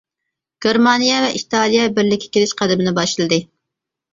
گېرمانىيە ۋە ئىتالىيە بىرلىككە كېلىش قەدىمىنى باشلىدى.